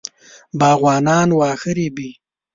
باغوانان واښه رېبي.